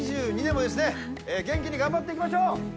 ２０２２年もですね、元気に頑張っていきましょう。